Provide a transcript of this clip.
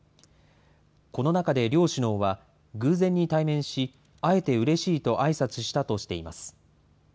この中で両首脳は、偶然に対面し、会えてうれしいとあいさつしたとしています。